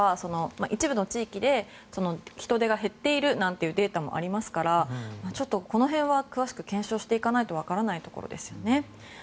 一部の地域で人出が減っているなんてデータもありますからちょっとこの辺は詳しく検証していかないとわからないところですよね。